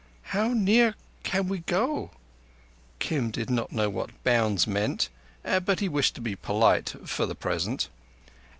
"How near can we go?" Kim did not know what bounds meant, but he wished to be polite—for the present.